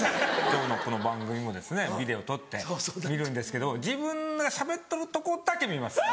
今日のこの番組もビデオとって見るんですけど自分がしゃべってるとこだけ見ます。